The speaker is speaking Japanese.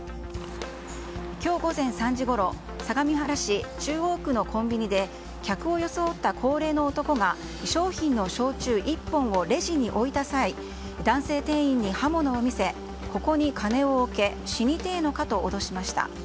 今日午前３時ごろ相模原市中央区のコンビニで客を装った高齢の男が商品の焼酎１本をレジに置いた際男性店員に刃物を見せここに金を置け死にてえのかと脅しました。